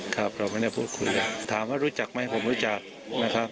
ครับเราไม่ได้พูดคุยเลยถามว่ารู้จักไหมผมรู้จักนะครับ